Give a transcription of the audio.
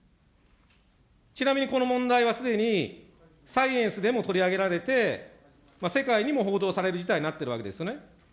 ちなみにこの問題は、すでにサイエンスでも取り上げられて、世界にも報道される事態になっているわけですよね。